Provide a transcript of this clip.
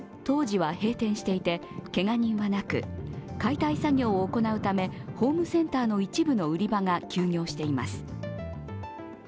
当時は閉店していて、けが人はなく解体作業を行うためホームセンターの一部の売り場が休業しています。